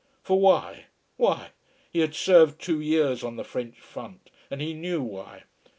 For why? Why? He had served two years on the French front, and he knew why.